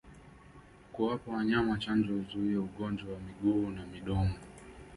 Kuwapa wanyama chanjo huzuia ugonjwa wa miguu na midomo